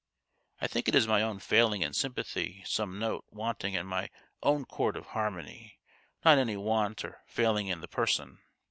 I think it is my own failing in sympathy some note want ing in my own chord of harmony not any want or failing in the person.